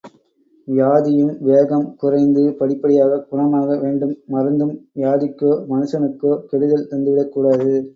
வியாதியும் வேகம் குறைந்து படிப்படியாகக் குணமாக வேண்டும் மருந்தும் வியாதிக்கோ மனுஷனுக்கோ கெடுதல் தந்து விடக் கூடாது.